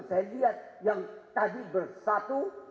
saya lihat yang tadi bersatu